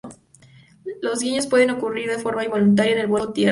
La guiñada puede ocurrir de forma involuntaria en vuelo o en tierra.